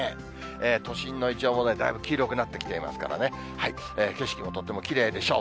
都心のいちょうがだいぶ黄色くなってきていますからね、景色もとってもきれいでしょう。